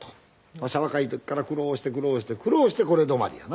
「わしは若い時から苦労して苦労して苦労してこれ止まりやな。